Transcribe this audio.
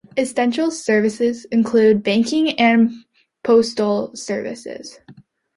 Essential services includes banking and postal services.